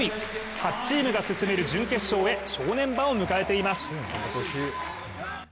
８チームが進める準決勝へ正念場を迎えています。